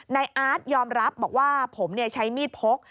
อาร์ตยอมรับบอกว่าผมใช้มีดพก